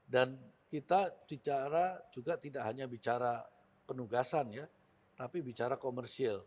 dan kita bicara juga tidak hanya bicara penugasan ya tapi bicara komersil